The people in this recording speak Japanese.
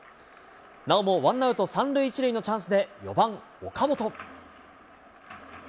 なおもワンアウト３塁１塁のチャンスで４番岡本。